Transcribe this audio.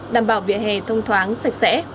đảm bảo vỉa hè thông thoáng sạch sẽ